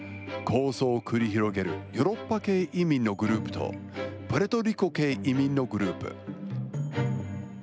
抗争を繰り広げるヨーロッパ系移民のグループと、プエルトリコ系移民のグループ。